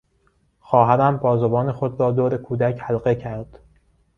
خواهرم بازوان خود را دور کودک حلقه کرد.